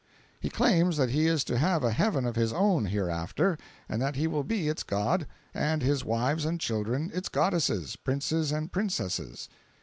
He claims that he is to have a heaven of his own hereafter, and that he will be its God, and his wives and children its goddesses, princes and princesses.